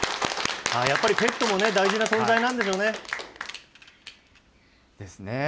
やっぱりペットもね、大事な存在なんでしょうね。